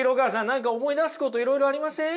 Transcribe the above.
何か思い出すこといろいろありません？